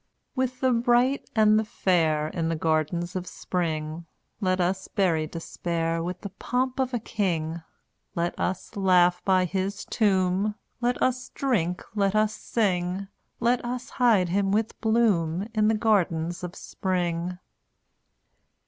mn$ 177 With the bright and the fair (f)tttA? In the gardens of spring, /Y ^ Let us bury Despair V.KC/ With the pomp of a king. Let us laugh by his tomb, Let us drink, let us sing, Let us hide him with bloom In the gardens of spring!